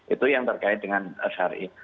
itu yang terkait dengan syariah